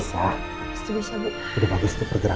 satu dua tiga